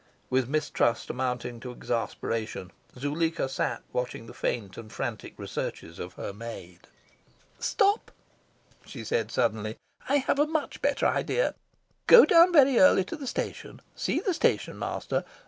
With mistrust mounting to exasperation Zuleika sat watching the faint and frantic researches of her maid. "Stop!" she said suddenly. "I have a much better idea. Go down very early to the station. See the station master.